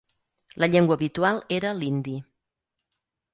La llengua habitual era l'hindi.